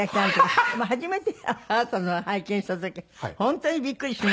初めてあなたのを拝見した時本当にびっくりしましたよ。